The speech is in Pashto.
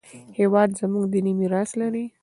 هېواد زموږ دیني میراث لري